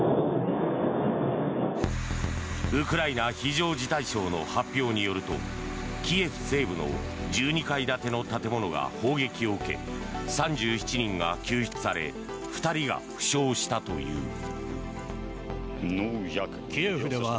ウクライナ非常事態省の発表によるとキエフ西部の１２階建ての建物が砲撃を受け３７人が救出され２人が負傷したという。